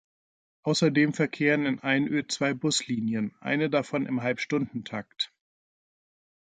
Außerdem verkehren in Einöd zwei Buslinien, eine davon im Halbstundentakt.